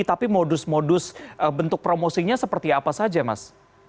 tapi modus modus bentuk promosinya seperti apa saja mas